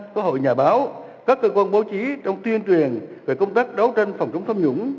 các hội nhà báo các cơ quan báo chí trong tuyên truyền về công tác đấu tranh phòng chống thâm nhũng